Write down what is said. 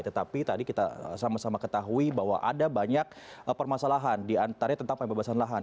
tetapi tadi kita sama sama ketahui bahwa ada banyak permasalahan diantaranya tentang pembebasan lahan